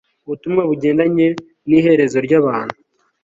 ubutumwa bugendanye niherezo ryabantu